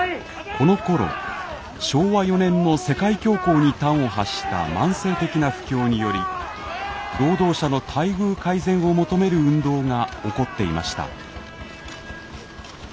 このころ昭和４年の世界恐慌に端を発した慢性的な不況により労働者の待遇改善を求める運動が起こっていました。